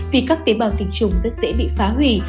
vì các tế bào tình trùng rất dễ bị phá hủy